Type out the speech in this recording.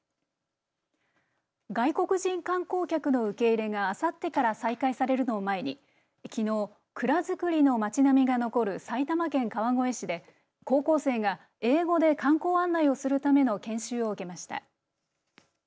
外国人観光客の受け入れがあさってから再開されるのを前にきのう、蔵造りの町並みが残る埼玉県川越市で高校生が英語で観光案内をするための研修を受けました。